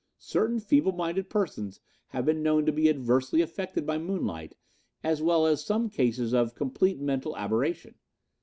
Certain feeble minded persons have been known to be adversely affected by moonlight as well as some cases of complete mental aberration.